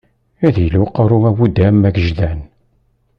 Ad yili uqerru awudam agejdan.